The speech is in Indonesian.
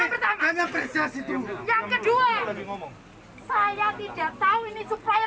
yang kedua saya tidak tahu ini supplier atau tidak